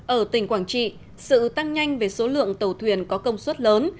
ở tỉnh quảng trị sự tăng nhanh về số lượng tàu thuyền có công suất lớn